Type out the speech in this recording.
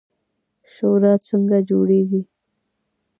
شورا څنګه جوړیږي؟